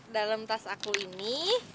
dalam tas aku ini